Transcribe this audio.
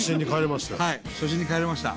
初心に帰れました。